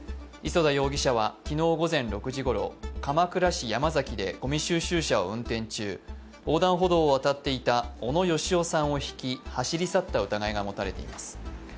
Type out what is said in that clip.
磯田容疑者は昨日午前６時ごろ、鎌倉市山崎でごみ収集車を運転中、横断歩道を渡っていた小野佳朗さんをひき、走り去った疑いが持たれています。